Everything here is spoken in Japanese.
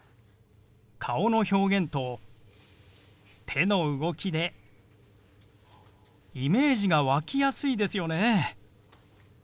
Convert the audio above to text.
顔の表現と手の動きでイメージが湧きやすいですよね。